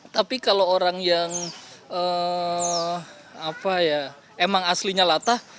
tapi kalau orang yang emang aslinya latah